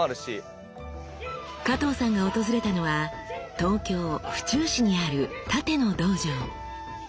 加藤さんが訪れたのは東京・府中市にある殺陣の道場。